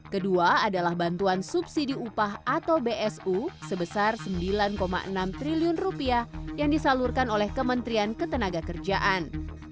kedua adalah bantuan subsidi upah atau bsu sebesar rp sembilan enam triliun yang disalurkan oleh kementerian ketenaga kerjaan